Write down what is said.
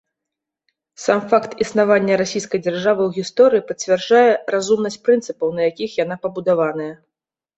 Сам факт існавання расійскай дзяржавы ў гісторыі пацвярджае разумнасць прынцыпаў, на якіх яна пабудаваная.